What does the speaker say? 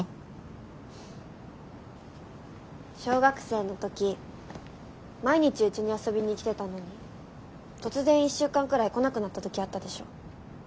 小学生の時毎日うちに遊びに来てたのに突然１週間くらい来なくなった時あったでしょ。